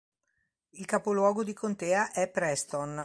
Il capoluogo di contea è Preston